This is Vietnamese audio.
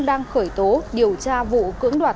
đang khởi tố điều tra vụ cưỡng đoạt